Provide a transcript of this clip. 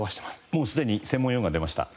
もうすでに専門用語が出ました。